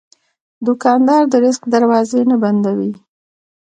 دوکاندار د رزق دروازې نه بندوي.